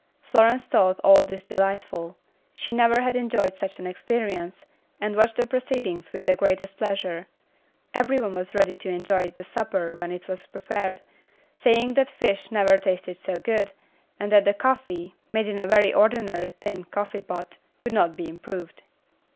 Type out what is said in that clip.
Florence thought all this delightful. She had never enjoyed such an experience, and watched the proceedings with the greatest pleasure. Every one was ready to enjoy the supper when it was prepared, saying that fish never tasted so good, and that the coffee, made in a very ordinary tin coffee pot, could not be improved.